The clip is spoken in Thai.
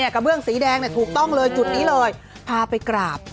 กระเบื้องสีแดงถูกต้องเลยจุดนี้เลยพาไปกราบ